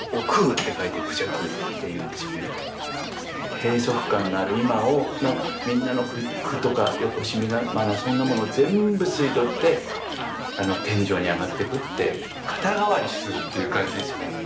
閉塞感のある今のみんなの苦とか邪なそんなものを全部吸い取って天上にあがってくって肩代わりするっていう感じですよね。